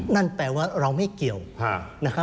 นั่นแปลว่าเราไม่เกี่ยวนะครับ